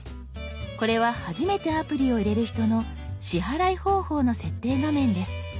これは初めてアプリを入れる人の支払い方法の設定画面です。